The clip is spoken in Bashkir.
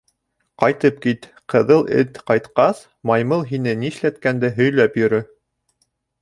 Ҡайтып кит, ҡыҙыл эт, ҡайтҡас, «маймыл» һине нишләткәнде һөйләп йөрө.